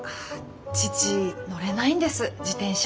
父乗れないんです自転車。